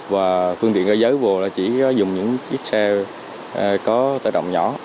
và phương tiện cơ giới vô là chỉ dùng những chiếc xe có tẩy động nhỏ